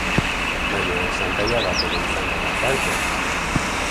Baina xantaia bat ere izango da tartean.